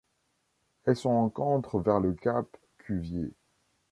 Elle se rencontre vers le cap Cuvier.